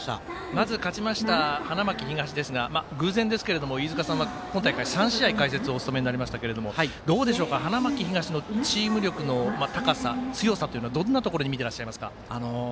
まず勝ちました花巻東偶然ですが、飯塚さんは今大会、３試合、解説をお務めになられましたけど花巻東のチーム力の強さというのはどんなところに見ていらっしゃいますか？